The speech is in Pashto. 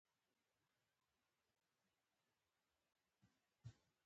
د ګودر په لاره مه ځه جینکۍ به دې په تیږو کې شنه